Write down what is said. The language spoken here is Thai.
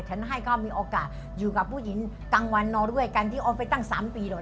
ฉันให้เขามีโอกาสอยู่กับผู้หญิงกลางวันนอนด้วยกันที่เอาไปตั้ง๓ปีเหรอ